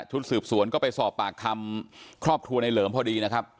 สืบสวนก็ไปสอบปากคำครอบครัวในเหลิมพอดีนะครับ